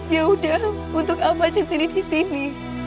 yaudah untuk apa centini di sini